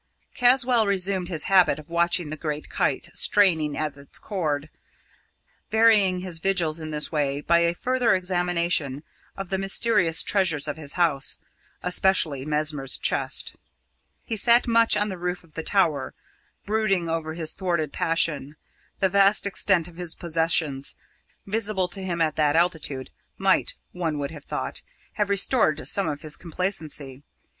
Caswall resumed his habit of watching the great kite straining at its cord, varying his vigils in this way by a further examination of the mysterious treasures of his house, especially Mesmer's chest. He sat much on the roof of the tower, brooding over his thwarted passion. The vast extent of his possessions, visible to him at that altitude, might, one would have thought, have restored some of his complacency.